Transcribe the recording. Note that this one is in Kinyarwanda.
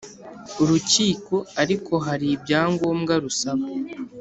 Urukiko ariko hari ibyangombwa rusaba